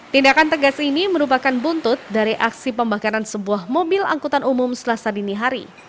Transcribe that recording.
tindakan tegas ini merupakan buntut dari aksi pembakaran sebuah mobil angkutan umum selasa dini hari